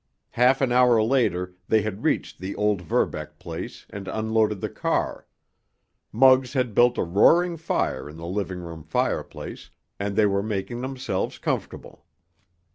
Half an hour later they had reached the old Verbeck place and unloaded the car; Muggs had built a roaring fire in the living room fireplace, and they were making themselves comfortable.